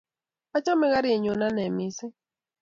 Achame karit nyu ane missing'